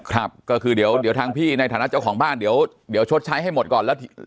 ครับก็คือเดี๋ยวทางพี่ในฐานะเจ้าของบ้านเดี๋ยวชดใช้ให้หมดก่อนแล้ว